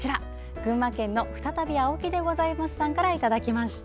群馬県の再び青木でございますさんからいただきました。